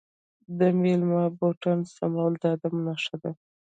د میلمه بوټان سمول د ادب نښه ده.